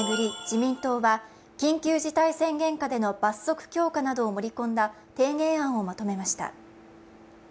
自民党は緊急事態宣言下での罰則強化などを盛り込んだ提言案をまとめました。